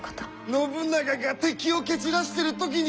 信長が敵を蹴散らしてる時に！